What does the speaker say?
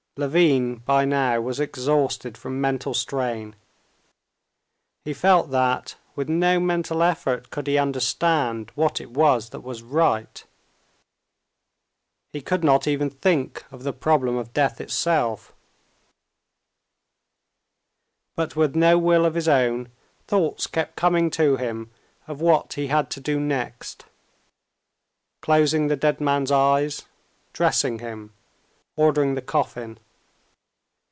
Levin by now was exhausted from mental strain. He felt that, with no mental effort, could he understand what it was that was right. He could not even think of the problem of death itself, but with no will of his own thoughts kept coming to him of what he had to do next; closing the dead man's eyes, dressing him, ordering the coffin.